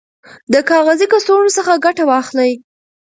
د کاغذي کڅوړو څخه ګټه واخلئ.